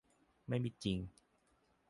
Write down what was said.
ไม่มีจริง